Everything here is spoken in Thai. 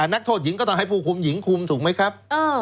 นักโทษหญิงก็ต้องให้ผู้คุมหญิงคุมถูกไหมครับ